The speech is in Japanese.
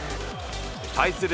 対する